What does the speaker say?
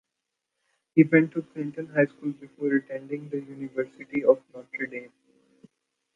He went to Clinton High School before attending the University of Notre Dame.